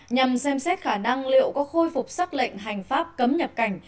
nhằm xem xét khả năng liệu có khôi phục xác lệnh hành pháp cấm nhập cảnh